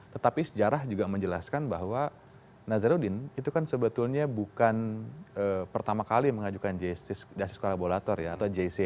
tetapi sejarah juga menjelaskan bahwa nazaruddin itu kan sebetulnya bukan pertama kali mengajukan jsts jsts kolaborator ya atau jsc